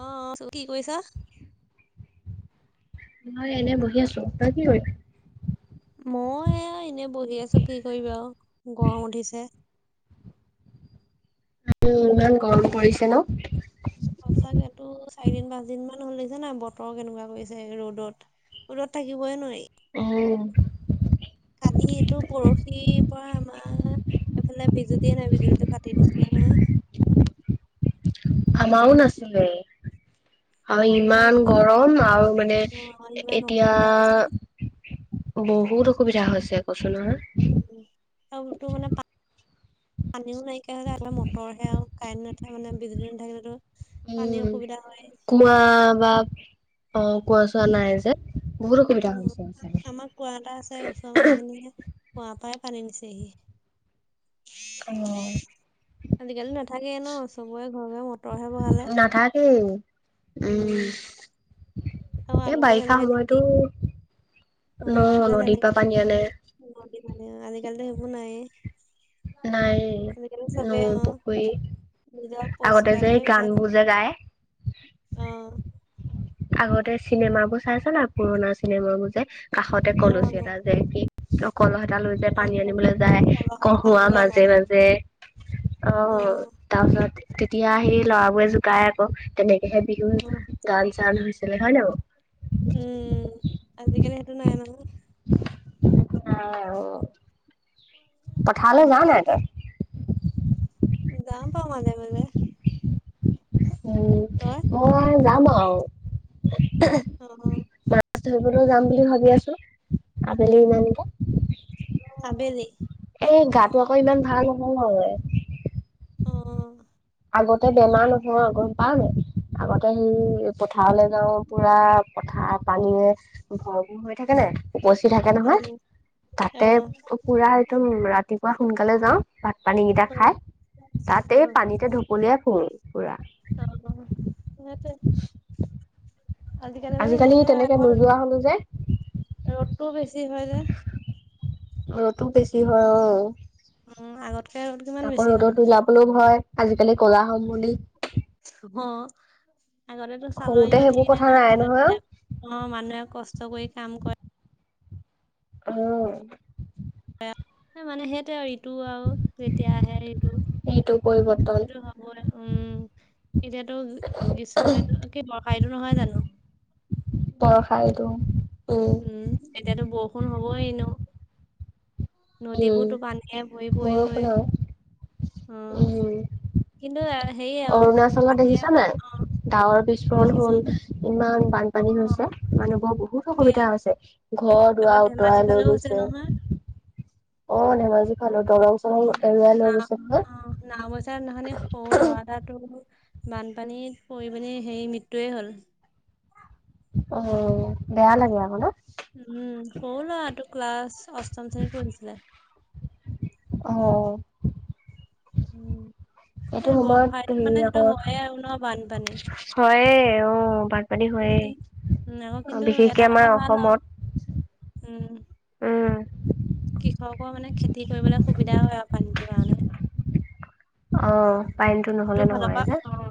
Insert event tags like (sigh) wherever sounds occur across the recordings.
অ' চ কি কৰিছা? মই এনে বহি আছো তই কি কৰিছ? মই এনে বহি আছো কি কৰিবা আৰু গৰম উঠিছে। ইমান গৰম পৰিছে ন? সঁচাকেটো চাৰিদিন পাঁচদিন মান হ'ল দেখিছে নে নাই বতৰ কেনেকুৱা কৰিছে ৰ'দত। ঘৰত থাকিবই নোৱাৰি। অ, কালি এইটো পৰহিৰ পৰা আমাৰ এইফালে বিজুলীয়ে নাই বিজুলীটো কাটি দিছিলে নহয়। আমাৰো নাছিলে। অ আৰু ইমান অসু গৰম আৰু মানে অ ইমান এতিয়া অসুবিধা হৈছে বহুত অসুবিধা হৈছে কৈছোঁ নহয়। (inaudible) তোৰ মানে পা পানীও নাইকিয়া হৈ যাই আমাৰ মটৰ হে আৰু কাৰেণ্ট নাথাকিলে মানে বিজুলী নাথাকিলেতো পানীৰ উম, অসুবিধা হয়। কুৱা বা অ কুৱা চোৱা নাই যে। বহুত অসুবিধা উ, হৈছে সঁচাকে। আমাৰ কুঁৱা এটা আছে ওচৰৰ মানুহখিনিয়ে কুৱাৰ পৰাই পানী নিছেহি। অ, আজিকালি নাথাকে ন চবৰে ঘৰে ঘৰে মটৰহে বহালে। নাথাকেই। উম, আৰু এই আগতে বাৰিষা যেনেকে নদী সময়তো, অ, ন আগতে নদীৰ পৰা যেনেকে পানী আনে নদীত মানে আজিকালিটো সেইবোৰ নাই এ। নাই নৈ অ পুখুৰী। নিজৰ আগতে যে পৰিষ্কাৰটোহে বিচাৰে গানবোৰ যে গাই। অ, আগতে চিনেমাবোৰ চাইছা না পুৰণা চিনেমাবোৰ যে কাষতে অ কলচী এডাল যে ৰাখি কলহ এটা লৈ যে অ পানী কল- আনিবলৈ যায় কলহত পানী কহোৱাৰ লৈ মাজে অনাটো মাজে। অ'। তাৰপিছত তেতিয়া সেই ল'ৰাবোৰে জোকাই আকৌ তেনেকেহে বিহু অ। (unintelligible) হৈছিলে হয় নে বাৰু? উম, আজিকালি সেইটো নাই নহয়। সেইটো নাই অ, পথাৰলৈ যাওঁ নাই তই? যাওঁ বাৰো মাজে মাজে। উম। তই? মই যাম আৰু। অ অ মাছ ধৰিবলৈ যাম বুলি ভাবি আছোঁ, আবেলি ইমান এটা। আবেলি? এ, গাটো আকৌ ইমান ভাল নহয়। অ'। অ'। আগতে বেমাৰ নহয় গ'ম পাওঁ নে, আগতে সেই পথাৰলৈ যাওঁ পুৰা পথাৰ পানীৰে ভৰপূৰ হৈ থাকে নে, উপচি থাকে নহয়। উম, তাতে অ', পুৰা একদম ৰাতিপুৱা সোনকালে যাওঁ ভাত পানী কেইটা খাই। তাতে উম। (unintelligible) পুৰা। অ' সিহঁতে, আজিকালি মানে সেয়ে তেনেকে আগৰ নোযোৱা হ'লো যে। ৰ'দটোও বেছি হয় যে। ৰ'দো বেছি হয় অ'। উম, আগতকে ৰ'দ কিমান বেছি হ'ল। (unintelligible) হয় আজিকালি কলা হম বুলি। অ', আগততো চালৰ সৰুতে ইমান সেইবোৰ হেৰি কথা নাই নহ যেনে নহয় তেনে অ', মানুহে কষ্ট কৰি কাম কৰে। অ'। (unintelligible) মানে সেইটোৱে ইটো আৰু যেতিয়া আহে ইটো। এইটো পৰিৱৰ্তন। সেইটো হ'বই উম, এতিয়াতো গ্ৰীষ্ম ঋতু কি বৰ্ষা ঋতু নহয় জানো। বৰ্ষা ঋতু উম, উম, এতিয়াতো বৰষুণ হ'বই ন। উম নদীবোৰতো পানী ভৰি পৰিবই বৰষুণ আৰু অ'। উম, কিন্তু হেৰি আৰু অৰুণাচলত দেখিছা নাই? (unintelligible) অ'। ডাৱৰ বিস্ফোৰণ দেখিছো হ'ল ইমান অ' বানপানী হৈছে মানুহবৰ বহুত তাকে অসুবিধা হৈছে। ঘৰ আগত দুৱাৰ ধেমাজি উটুৱাই লৈ ফালেও হৈছে গৈছে। নহয়। অ, ধেমাজি ফালৰ দলং অ, নাও অ, নাও বইচা (unintelligible) সৰু ল'ৰা তাত বানপানীত পৰি পিনি হেৰি মৃত্যুয়ে হ'ল। অ, বেয়া লাগে আকৌ ন। উম, সৰু ল'ৰাটো ক্লাছ অষ্টম শ্ৰেণীত পঢ়িছিলে। অ', উম, এইটো সেই বৰ্ষা সময়ত ঋতুত হেৰি মানে আকৌ সেইটো হয় আৰু ন বানপানী। হয়ে উম, বানপানী উম, হয়ে কিন্তু উম, আকৌ অ' কিন্তু বিশেষকে এটা আমাৰ কথা ভাল আৰু অসমত। উম, উম, কৃষকৰ মানে খেতি কৰিবলৈ সুবিধা হয় আৰু পানীটোৰ কাৰণে। অ, পানীটো সেইটো নহলে ফালৰ নহয় পৰা যে। অ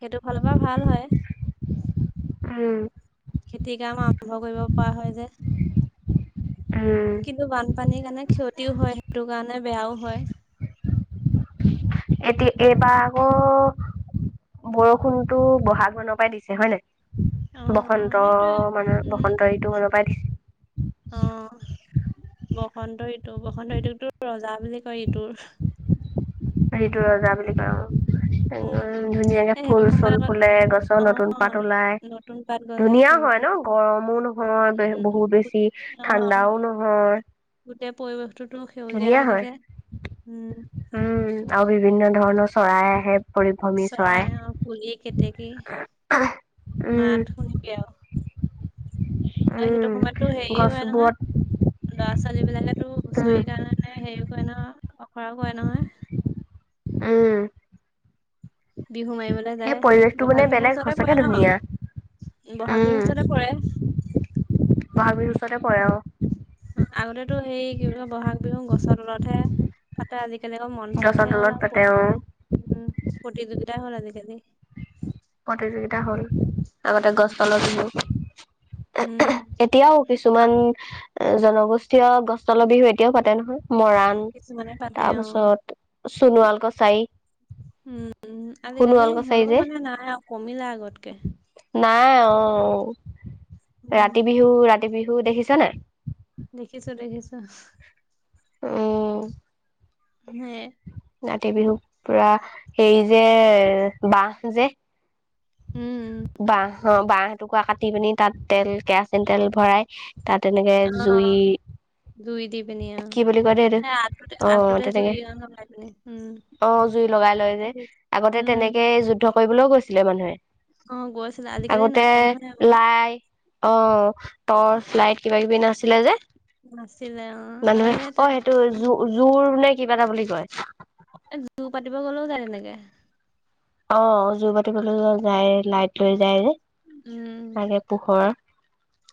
সেইটো ফালৰ পৰা ভাল হয়। উম, খেতি কাম। আৰম্ভ কৰিব পৰা হয় যে উম, কিন্তু বানপানীৰ কাৰণে ক্ষতিও হয়। সেইটো কাৰণে বেয়াও হয়। এতিয়া এইবা আকৌ। বৰষুণতো বহা'গ মানৰ পৰাই দিছে হয় নে নাই। অ বসন্ত, সেইটোৱে মানে উম বসন্ত এইটো মানৰ পৰাই। অ, বসন্ত ঋতু বসন্ত ঋতুক তো ৰজা বুলি কয় ঋতুৰ। ঋতু ৰজা বুলি কয় উম, ধুনীয়াকে এ সেইটো ফুল-চুল সময়ত আকৌ ফুলে গছৰ নতুন অ পাত ওলাই। নতুন পাত গজে ধুনীয়া ফুল হয় ফুল ন, গৰমো নহয় বহুত বেছি অ ঠাণ্ডাও নহয়। গোটেই পৰিৱেশটোতো সেউজীয়া ধুনীয়া হৈ হয় থাকে উম, উম, আৰু বিভিন্ন ধৰণৰ চৰাই আহে। চৰাই অ, কুলি কেতেকী। উম মাত শুনিবি আৰু উম সেইটো সময়তে হেৰি হয় গছবোৰত নহয়। ল'ৰা -ছোৱালী বিলাকেটো উম হুঁচৰি কাৰণে হেৰি কৰে নহয় আখৰা কৰে নহয়। উম, বিহু মাৰিবলৈ সেই যায় পৰিৱেশটো মানে বহাগ বিহুৰ বেলেগ ওচতে সঁচাকে পৰে ন ধুনীয়া বহাগ উম বিহুৰ ওচতে পৰে। বহাগ বিহুৰ ওচৰতে পৰে অ, আগতেতো সেই কি বুলি কয় ব'হাগ বিহু গছৰ তলতহে। তাতে আজিকালি আকৌ গছৰ মঞ্চতহে হ'ল তলত আৰু পাতে অ প্ৰতিযোগিতাই হ'ল আজিকালি। প্ৰতিযোগিতা হ'ল। আগতে গছ তালৰ বিহু, উম এতিয়াও আ- কিছুমান। জনগোষ্ঠীয় গছ তলৰ বিহু এতিয়াও পাতে নহয়। মৰাণ কিছুমানে পাতে অ তাৰপাছত সোণোৱাল কছাৰী। উম, আজিকালি সোণোৱাল কছাৰী হ'লেও যে মানে নাহে আৰু কমিলে আগতকে। নাই অ, উম ৰাতি বিহু ৰাতি বিহু দেখিছে নে। দেখিছো দেখিছো। উম। সেয়াই। ৰাতি বিহু পুৰা হেৰি যে বাঁহ যে উম উম, বাঁহ, বাঁহ এটুকুৰা কাটি পিনি তাত তেল কেৰাচিন তেল ভৰাই তাত এনেকে অ জুই জুই দি পিনি অ', কি বুলি কয় দেই এইটো অ তেনেকে (unintelligible) উম। অ', জুই লগাই লয় যে দেখিছো আগতে উম তেনেকে যুদ্ধ কৰিবলৈও গৈছিলে মানুহে। অ গৈছিলে আজিকালি আগতে নাই নহয় আকৌ লাই অ', টৰ্চ লাইট কিবা কিবি নাছিলে যে নাছিলে অ'। মানুহে আগতে অ', সেইটোৱে সেইটো উম জো-জোৰ নে কিবা এটা বুলি কয়। এ, জোৰ পাতিব গ'লেও যায় তেনেকে। অ', জুৰ বাটিবলৈ ও যায় লাইট লৈ যায় যে, উম তাকে পোহৰ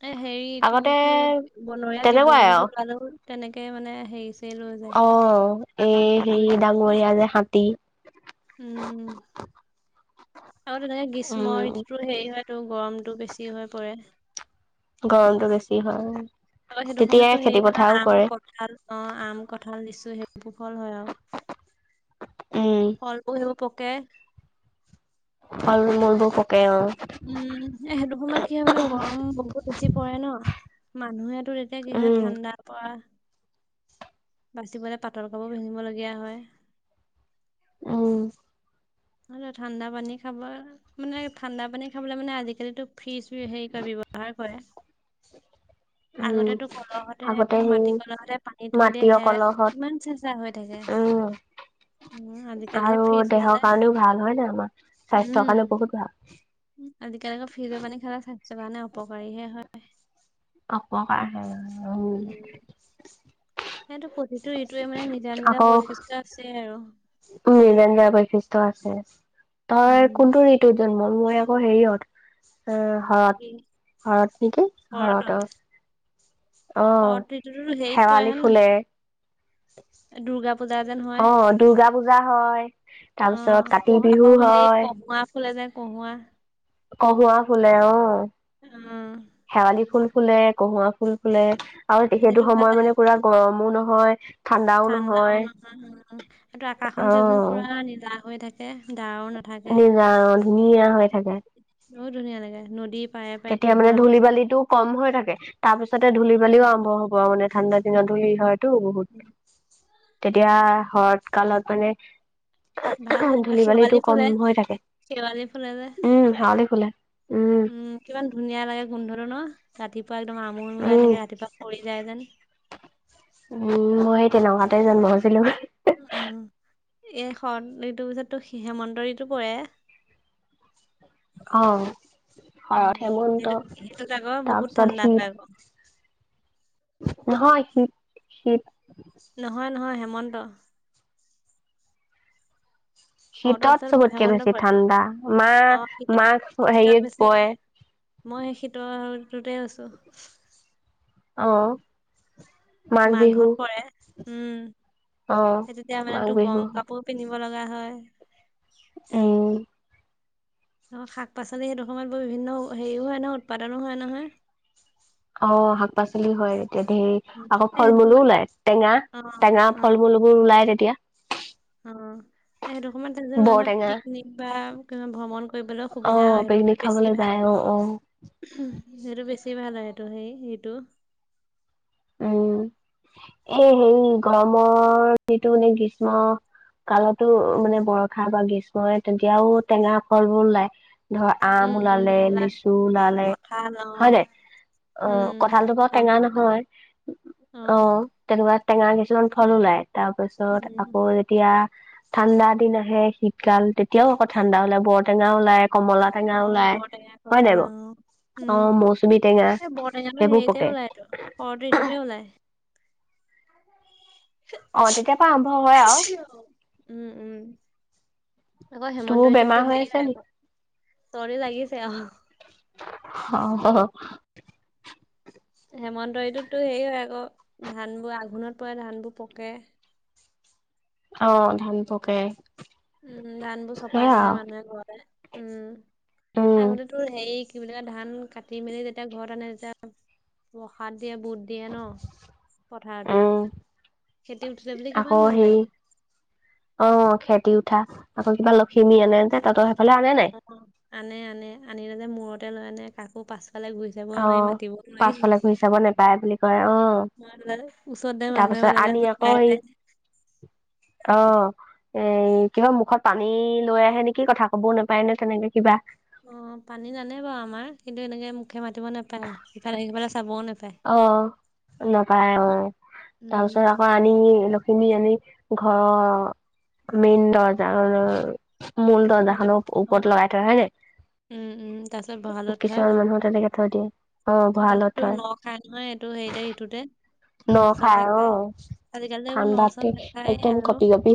এ, হেৰি তোৰ আগতে (unintelligible) বনৰীয়া জীৱ তেনেকুৱাই আৰু জন্তু ওলালেও তেনেকে মানে হেৰি ছেৰি লৈ অ যায় (unintelligible) ওলাই যে হাতী উম, আৰু তেনেকে গ্ৰীষ্ম উম ঋতুটো হেৰি হয় তো গৰমটো বেছি হৈ পৰে। গৰমটো বেছি হয়, অ'। ত' সেইটো সময়তো হেৰি হয়, ন আম কঁঠাল অ', আম কঁঠাল লিচু সেইবোৰ ফল হয় আৰু। উম। ফলবোৰ সেইবোৰ পকে। ফল মূলবোৰ পকে অ'। উম, সেইটো সময়ত কি হয়, মানে গৰম বহুত বেছি পৰে ন! মানুহেতো তেতিয়া কি হয়, উম ঠাণ্ডাৰ পৰা বাচিবলৈ পাতল কাপোৰ পিন্ধিবলগীয়া হয়। উম। আৰু ঠাণ্ডা পানী খাব মানে ঠাণ্ডা পানী খাবলৈ মানে আজিকালিতো ফ্ৰিজ হেৰি কৰে ব্যৱহাৰ কৰে। (inaudible) আগতেতো কলহতে আগতে সেই মাটি কলহতে পানী থৈ দিয়ে মাটিৰ সেয়াই কলহত কিমান চেঁচা চা হৈ থাকে। উম উম, আজিকালিহে আৰু ফ্ৰিজ দেহৰ ওলালে কাৰণেও ভাল হয় নে আমাৰ স্বাস্থ্যৰ কাৰণে উম। বহুত ভাল। আজিকালি আকৌ ফ্ৰিজৰ পানী খালে স্বাস্থ্যৰ কাৰণে অপকাৰী হে হয়। উম, (inaudible) সেইটো প্ৰতিটো ঋতুৰে মানে নিজা, নিজা বৈশিষ্ট্য আছে আৰু। উম, নিজা, নিজা বৈশিষ্ট্য আছে তই উম, কোনটো ঋতুত জন্ম, মই আকৌ হেৰিয়ত এ, শৰৎ, কি শৰৎ নেকি শৰৎ শৰতত অ'। শৰৎ ঋতুটোতো হেৰিত পৰে শেৱালি হয়, ফুলে নহয় দুৰ্গা পূজা যেন অ, হয়, দুৰ্গা পূজা হয়। তাৰপিছত কাতি অ', বিহু (unintelligible) হে হয় কঁহুৱা ফুলে যে কঁহুৱা। কঁহুৱা ফুলে অ'। উম শেৱালি ফুল ফুলে, কঁহুৱা ফুল ফুলে। আৰু সেইটো ভাল সময় লাগে মানে আকৌ। পুৰা গৰমো নহয়, ঠাণ্ডাও নহয়। (unintelligible) আকাশখন চা চোন অ, পুৰা নীলা হৈ থাকে ডাৱৰ না (unintelligible) ধুনীয়া হৈ থাকে। বহুত ধুনীয়া লাগে নদী তেতিয়া মানে ধূলি বালিটো কম হৈ থাকে, তাৰপিছতে ধূলি বালিও উম আৰম্ভ হ'ব আৰু মানে। ঠাণ্ডা দিন ধূলি হয়টো উম, বহুত, তেতিয়া উম। শৰৎ কালত মানে ভাল লাগে ধূলি বালিটো শেৱালি কম ফুলে হৈ থাকে। শেৱালি ফুলে যে উম, হাউলি খোলে। উম। কিমান ধুনীয়া লাগে গোন্ধটো ন' ৰাতিপুৱা একদম আমোল মুলাই উম থাকে, ৰাতিপুৱা সৰি যায় যেন। উম, মই সেই তেনেুৱাতে জন্ম হৈছিলোঁ। উ, এইখন ইটোৰ পিছততো সিহে মন্দুৰিটো কৰে। অ'। শৰত, উম, হেমন্ত সেইটো সেইটোত আকৌ বহুত তাৰপিছত ঠাণ্ডা হয় আকৌ। শীত। নহয় শীত শীত। নহয় নহয় হেমন্ত। শৰতৰ শীতত পিছত চবতকে হেমন্ত বেছি পৰে। ঠাণ্ডা মাহ অ' মাঘ শীতত শীতত হেৰিত বেছি যে। পৰে মই শীতটোতে আছোঁ। অ'। মাঘ মাঘত বিহু পৰে। উম, অ সেই তেতিয়া মানে মাঘ তোৰ বিহু গৰম কাপোৰ পিন্ধিব লগা হয়। উ। অ' শাক পাচলি সেইটো সময়ত ব বিভিন্ন হেৰিও হয় নহয় উৎপাদনো হয় নহয়। অ' শাক পাচলি হয় তেতিয়া ধেৰ, উম, আকৌ এই ফল সেইটো মূলো সময়ত ওলায় টেঙা অ টেঙা ফল মূল বোৰ ওলাই তেতিয়া। হু। সেইটো সময়ত এ, মানে বৰটেঙা পিকনিক বা কিবা ভ্ৰমণ কৰিবলৈ সুবিধা অ', হয়, সেইটো পিকনিক কাৰণে খাবলৈ বেছি ভাল যায় হয়। অ', অ'। সেইটো বেছি ভাল হয় সেইটো সেইটো। উম, সেই হেৰি গৰৰ্মৰ যিটো মানে গ্ৰীষ্ম কালতো মানে বৰষা বা গ্ৰীষ্মৰে তেতিয়াও টেঙা ফলবোৰ ওলায়। ধৰ উম আম উম ওলালে উম লিচু ওলালে, কঁঠাল অ হয় নাই? উম অ' কঁঠালটো বৰ টেঙা জামুক নহয়। অ' তেনেকুৱা টেঙা কিছুমান ফল ওলাই তাৰপিছত উম আকৌ তিয়া ঠাণ্ডা দিন আহে শীতকাল তেতিয়াও আকৌ ঠাণ্ডা ওলাই, বৰটেঙা ওলাই কমলাত অ' বৰটেঙা খবলা অ'। অ উম, মৌচুমী টেঙা এই বৰটেঙটো সেইবোৰ হেৰিতে পকে ওলাইতো শৰত ঋতুতে ওলায়। অ' তেতিয়াৰপৰা আৰম্ভ হয় আৰু। উম, উম। আকৌ হেমন্ত তোৰ বেমাৰ ঋতুততো হৈ সেয়াই আছে হয় নি আকৌ। তৰি লাগিছে অ'। অ', অ'। হেমন্ত ঋতুততো হেই হয় আকৌ ধানবোৰ আঘোণত পৰে, ধানবোৰ পকে। অ' ধান পকে। উম, ধানবোৰ চপাই সেয়া আনে আৰু। মানুহে ঘৰে, উম। উম আগলে তোৰ হেৰি কি বুলি ক, ধান কাটি মেলি তেতিয়া ঘৰত আনে তেতিয়া প্ৰসাদ দিয়ে, বুট দিয়ে ন' পথাৰতে। উম খেতি উঠিলে বোলে কিমান আকৌ ভাল হেৰি লাগে। অ' খেতি উঠা, আকৌ কিবা লখিমী আনে। তহঁতৰ সেইফালে আনে নাই? অ' আনে আনে আনিলে যে মূৰতে লৈ আনে কাকো পাছফালে গুৰি যাব অ নোৱাৰি, মাতিব নোৱাৰি। পাছফালে ঘূৰি চাব নেপায় বুলি কয় অ ম ওচৰ তাৰ মানুহে পাছত পালে আনি আকৌ পাই সেই যায়। অ'। এ, কিবা মুখত পানী লৈ আহে নেকি, কথা কবও নাপায় ন' তেনেকে কিবা। অ' পানী জানে বাৰু আমাৰ কিন্তু এনেকে মুখে মাতিব নাপায় আৰু ইফালে সিফালে চাবও নে অ' নাপায় অ' উম তাৰপিছত আকৌ আ নি লক্ষ্মীমী আনি ঘৰৰ মেইন দৰ্জা, মূল মানে দৰ্জাখনৰ অ ওপৰত লগাই থই হয় নাই? উম উম তাৰপিছত ভঁৰালত উঠাই অ মানুহৰ তেনেকে থৈ দিয়ে। অ ভঁৰালত তাৰপিছত তোৰ থয় ন খাই নহয় এইটো হেৰিতে ঋতুতে। ন চাউল যে খাই আজিকালি যে এইবোৰ ন ঠাণ্ডাতে চাউল নাখায়ে একদম আৰু। কঁপি কঁপি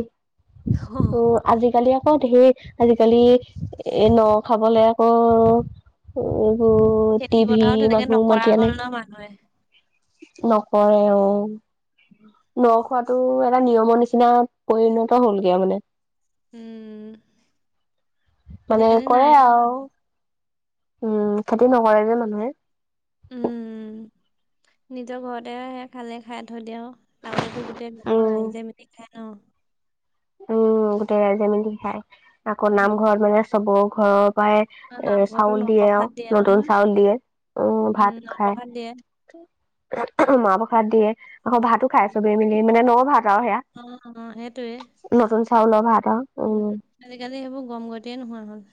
অ আজিকালি আকৌ ধেৰ আজিকালি এ ন খাবলে আকৌ এইবোৰ টিভি মানুহ মাতি আনে। মানুহ আহে। নকৰে অ ন খোৱাটো এটা নিয়মৰ নিচিনা পৰিণত হ'লগে আও মানে। উম মানে আজিকালি কৰে নাইয়ে আৰু সেইবোৰ। উম, খেতি নকৰে যে মানুহে। উম, নিজৰ ঘৰতে সেইয়া খালে খাই থৈ দি আও। আগতেটো গোটেই গাঁৱৰ উম ৰাইজে মিলি খাই ন। উম গোটেই ৰাইজে মিলি খাই আকৌ উম, নামঘৰত মানে চব ঘৰৰ পৰায়ে আৰু এ নামঘৰতো চাউল দিয়ে অ নপ্ৰসাদ নতুন নহয়। চাউল দিয়ে উম ভাত খাই নপ্ৰসাদ দিয়ে। মাহ প্ৰসাদ দিয়ে আকৌ ভাতো খাই চবেই মিলি মানে ন ভাত আও সেইয়া। অ অ সেইটোৱে। নতুন চাউলৰ ভাত আও। আজিকালি সেইবোৰ গম গতিয়েই নোহোৱা হ'ল।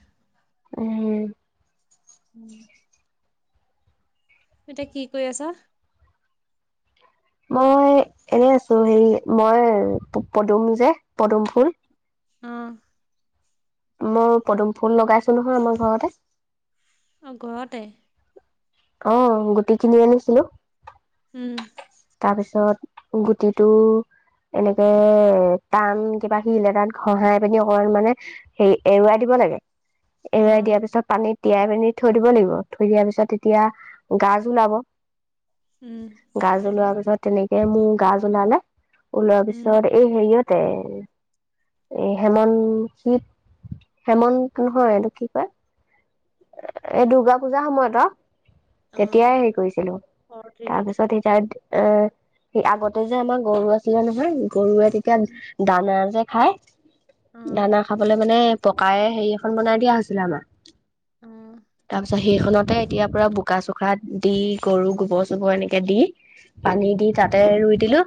উম। (inaudible) এতিয়া কি কৰি আছা? মই এনেই আছো হেৰি মই পদুম যে পদুম ফুল অ। মই পদুম ফুল লগাইছো নহয় আমাৰ ঘৰতে। অ ঘৰতে? অ গুটি কিনি আনিছিলো। উম। তাৰপিছত গুটিটো এনেকে টান কিবা শিল এটাত ঘহাই পিনি অকমান মানে হেৰি এৰুৱাই দিব লাগে, এৰুৱাই দিয়াৰ অ', পিছত পানীত তিয়াই পিনি থৈ দিব লাগিব থৈ দিয়াৰ পিছত তেতিয়া গাজ ওলাব। উম। গাজ ওলোৱা পিছত তেনেকে মোৰ গাজ ওলালে ওলোৱাৰ উম, পিছত এই হেৰিয়তে এই হেমন শিৱ হেমন্ত নহয় এইটো কি কয় এই দুৰ্গা পূজাৰ সময়ত আও তেতিয়াই অ', হেৰি কৰিছিলো অ', শৰৎ ঋতুত। তাৰপিছত তাত এ সে আগতে যে আমাৰ গৰু আছিলে নহয় গৰুৱে উম, তেতিয়া দানা যে খাই অ', দানা খাবলে মানে পকায়ে হেৰি এখন বনাই দিয়া হৈছিলে আমাৰ। উম। তাৰ পিছত সেইখনতে এতিয়া পুৰা বোকা-চোকা দি গৰু গোবৰ-চোবৰ এনেকে দি পানী দি তাতে অ', ৰুই দিলো